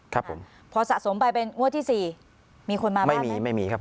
ครับผมพอสะสมไปเป็นงวดที่สี่มีคนมาไหมไม่มีไม่มีครับ